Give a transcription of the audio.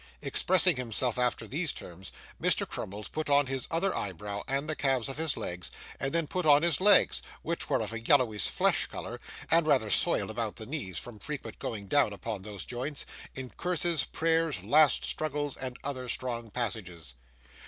Expressing himself after these terms, Mr. Crummles put on his other eyebrow, and the calves of his legs, and then put on his legs, which were of a yellowish flesh colour, and rather soiled about the knees, from frequent going down upon those joints, in curses, prayers, last struggles, and other strong passages.